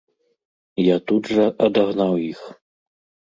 Я тут жа адагнаў іх.